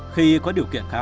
khi có điều kiện khá hơn